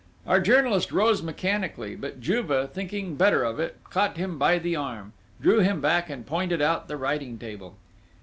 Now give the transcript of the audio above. Our journalist rose mechanically; but Juve, thinking better of it, caught him by the arm, drew him back and pointed out the writing table.